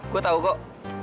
gue tau kok